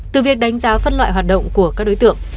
từ việc đánh giá phân loại hoạt động của các đối tượng